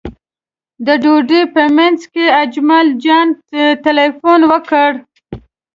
د ډوډۍ په منځ کې اجمل جان تیلفون وکړ.